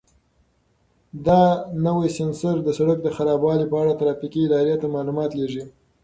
دا نوی سینسر د سړک د خرابوالي په اړه ترافیکي ادارې ته معلومات لېږي.